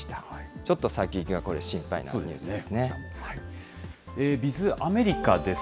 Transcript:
ちょっと先行きがこれ、心配なニＢｉｚアメリカです。